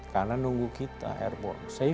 karena nunggu kita air bu puridad bend maryland